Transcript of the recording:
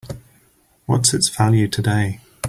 What's its value today?